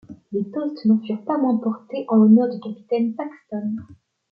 Des toasts n’en furent pas moins portés en l’honneur du capitaine Paxton.